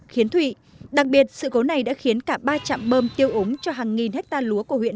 khiến thụy đặc biệt sự cố này đã khiến cả ba chạm bơm tiêu ống cho hàng nghìn hecta lúa của huyện